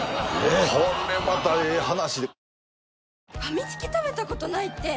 これまたええ話で。